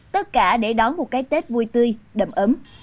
tất cả để đón một cái tết vui tươi đầm ấm